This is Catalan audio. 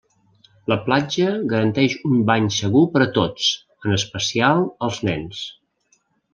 La platja garanteix un bany segur per a tots, en especial els nens.